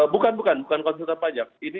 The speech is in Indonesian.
bukan bukan konsultan pajak